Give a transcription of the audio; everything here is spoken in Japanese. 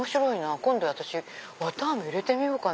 今度綿あめ入れてみようかな